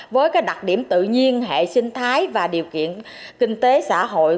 với đặc điểm tự nhiên hệ sinh thái và điều kiện kinh tế xã hội